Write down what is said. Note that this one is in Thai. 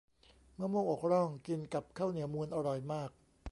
มะม่วงอกร่องกินกับข้าวเหนียวมูนอร่อยมาก